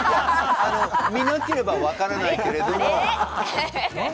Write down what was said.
見なければわからないけれども。